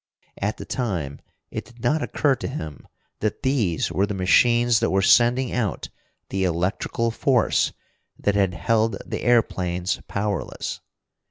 At the time it did not occur to him that these were the machines that were sending out the electrical force that had held the airplanes powerless.